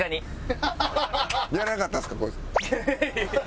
やらなかったんですか？